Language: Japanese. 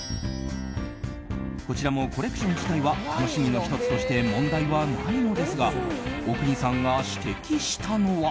こちらもコレクション自体は楽しみの１つとして問題はないのですが阿国さんが指摘したのは。